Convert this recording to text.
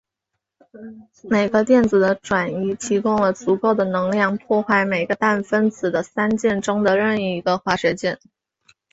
每个电子的转移提供了足够的能量破坏每个氮分子的三键中的任一个化学键。